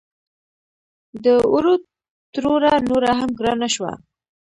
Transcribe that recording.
د وړو تروړه نوره هم ګرانه شوه